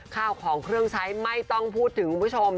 ข้าวของเครื่องใช้ไม่ต้องพูดถึงคุณผู้ชม